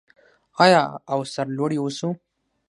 آیا او سرلوړي اوسو؟